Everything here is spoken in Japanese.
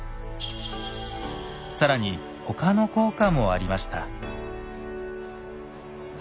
更にほかの効果もありました。